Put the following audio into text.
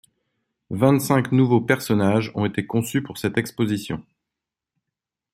Vingt-cinq nouveaux personnages ont été conçus pour cette exposition.